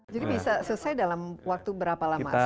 jadi bisa selesai dalam waktu berapa lama